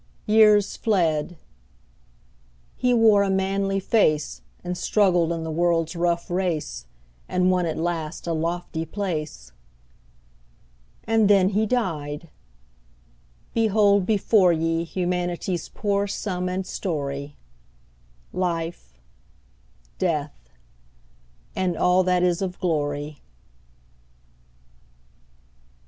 Years fled; he wore a manly face, And struggled in the world's rough race, And won at last a lofty place. And then he died! Behold before ye Humanity's poor sum and story; Life, Death, and all that is of glory.